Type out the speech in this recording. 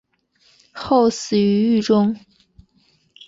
后死于狱中。